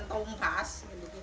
ini juga untuk mengurangi